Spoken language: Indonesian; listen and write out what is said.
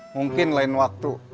mungkin lain waktu